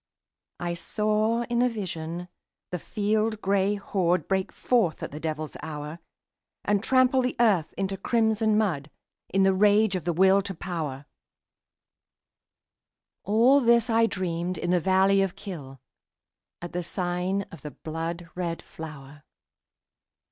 I saw in a vision the field gray horde Break forth at the devil's hour, And trample the earth into crimson mud In the rage of the Will to Power, All this I dreamed in the valley of Kyll, At the sign of the blood red flower.